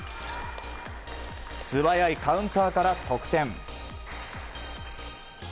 素早いカウンターから得点。